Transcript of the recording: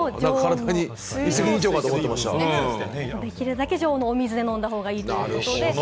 できるだけ常温の水で飲んだ方がいいということで。